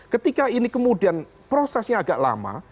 ketika ini kemudian prosesnya agak lama